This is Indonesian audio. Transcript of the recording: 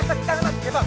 eh tekan tekan